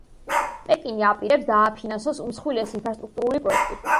პეკინი აპირებს დააფინანსოს უმსხვილესი ინფრასტრუქტურული პროექტი.